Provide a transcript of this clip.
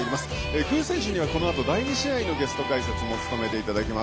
具選手には第２試合のゲスト解説も務めていただきます。